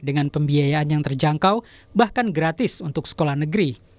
dengan pembiayaan yang terjangkau bahkan gratis untuk sekolah negeri